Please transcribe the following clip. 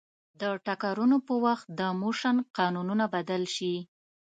د ټکرونو په وخت د موشن قانونونه بدل شي.